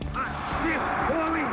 ホームイン！